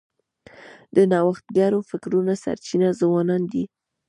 د نوښتګرو فکرونو سرچینه ځوانان دي.